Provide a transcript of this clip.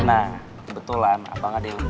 nah kebetulan abang ada yang